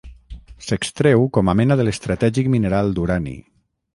S'extreu com a mena de l'estratègic mineral d'urani.